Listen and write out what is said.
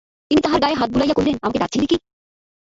তিনি তাহার গায়ে হাত বুলাইয়া কহিলেন, আমাকে ডাকছিলে কি?